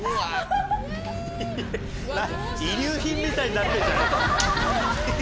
遺留品みたいになってんじゃねえか。